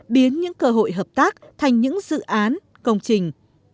biến những cơ hội hợp tác thành những dự án công trình